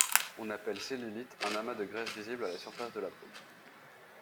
On appelle cellulite un amas de graisse visible à la surface de la peau.